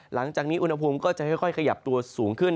หลังจากนี้อุณหภูมิก็จะค่อยขยับตัวสูงขึ้น